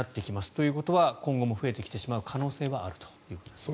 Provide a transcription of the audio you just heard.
ということは今後も増えてきてしまう可能性があるということですね。